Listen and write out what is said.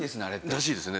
らしいですね。